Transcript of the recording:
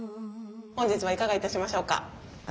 本日はいかが致しましょうか？